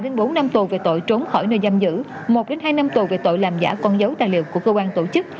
đến bốn năm tù về tội trốn khỏi nơi giam giữ một hai năm tù về tội làm giả con dấu tài liệu của cơ quan tổ chức